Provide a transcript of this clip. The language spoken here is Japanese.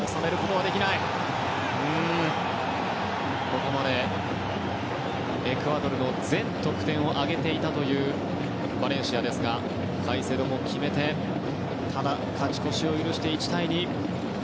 ここまでエクアドルの全得点を挙げていたというバレンシアですがカイセドも決めてただ勝ち越しを許して１対２。